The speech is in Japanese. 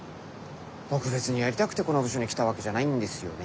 僕別にやりたくてこの部署に来たわけじゃないんですよね。